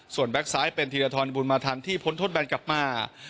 ส่วนแบ๊กซ้ายเป็นธีรธรรมบุญมาธรรมที่พ้นทดแบนกลับมา